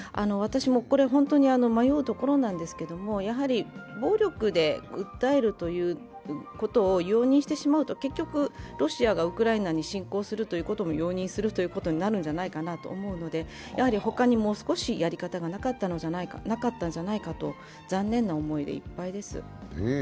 私も迷うところなんですけれども、やはり暴力で訴えるということを容認してしまうと結局、ロシアがウクライナに侵攻するということも容認するということになるんじゃないかなと思うのでほかにもう少しやり方があったんじゃないかと、残念な思いでいっぱいです。